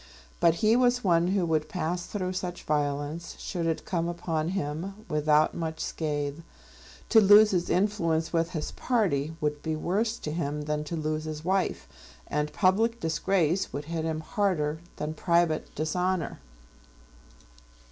But he was one who would pass through such violence, should it come upon him, without much scathe. To lose his influence with his party would be worse to him than to lose his wife, and public disgrace would hit him harder than private dishonour.